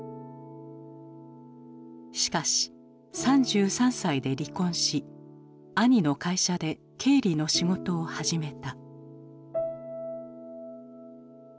しかし３３歳で離婚し兄の会社で経理の仕事を始めた。